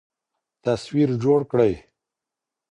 تصوير جوړ كړي